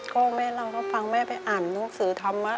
ก็แม่เล่าก็ฟังแม่ไปอ่านหนังสือธรรมะ